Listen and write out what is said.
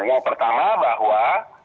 yang pertama bahwa